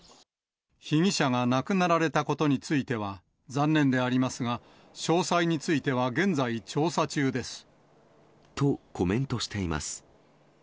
被疑者が亡くなられたことについては残念でありますが、と、コメントしています。